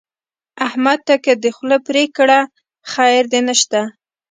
احمد ده که دې خوله پرې کړه؛ خير دې نه شته.